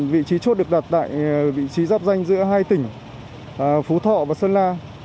vị trí chốt được đặt tại vị trí giáp danh giữa hai tỉnh phú thọ và sơn la